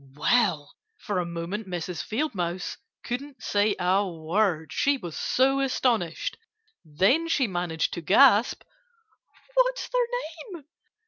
Well, for a moment Mrs. Field Mouse couldn't say a word, she was so astonished. Then she managed to gasp: "What's their name?"